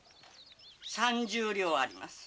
三十両あります。